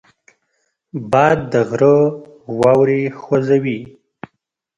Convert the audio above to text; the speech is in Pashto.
باد د غره واورې خوځوي